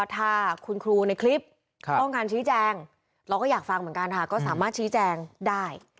ถ้าคุณครูในคลิปต้องการชี้แจงเราก็อยากฟังเหมือนกันค่ะก็สามารถชี้แจงได้